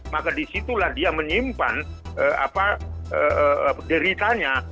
maka disitulah dia menyimpan deritanya